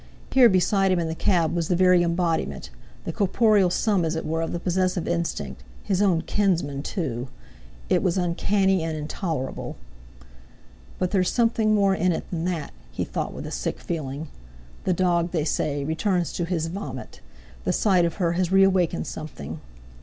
Here beside him in the cab was the very embodiment, the corporeal sum as it were, of the possessive instinct—his own kinsman, too! It was uncanny and intolerable! "But there's something more in it than that!" he thought with a sick feeling. "The dog, they say, returns to his vomit! The sight of her has reawakened something.